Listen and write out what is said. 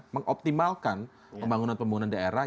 mengoptimalkan pembangunan pembangunan daerah